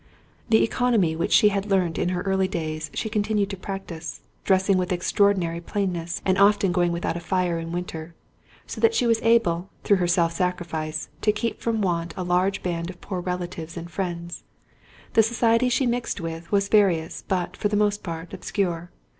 The œconomy which she had learnt in her early days she continued to practise; dressing with extraordinary plainness, and often going without a fire in winter; so that she was able, through her self sacrifice, to keep from want a large band of poor relatives and friends. The society she mixed with was various, but, for the most part, obscure.